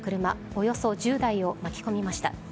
およそ１０台を巻き込みました。